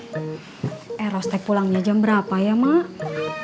air hoste pulangnya jam berapa ya mak